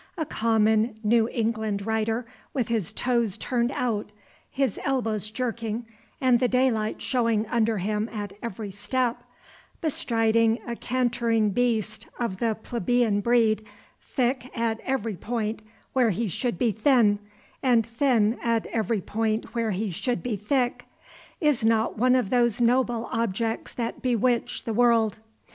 A common New England rider with his toes turned out, his elbows jerking and the daylight showing under him at every step, bestriding a cantering beast of the plebeian breed, thick at every point where he should be thin, and thin at every point where he should be thick, is not one of those noble objects that bewitch the world.